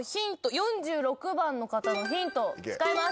４６番の方のヒント使います！